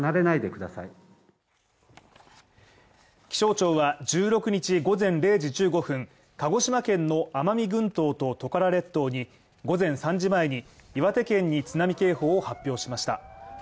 気象庁は１６日午前０時１５分、鹿児島県の奄美群島トカラ列島に午前３時前に岩手県に津波警報を発表しました。